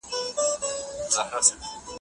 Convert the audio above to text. ډير ځوانان د نکاح او واده تر اصلي وخت تير سوي دي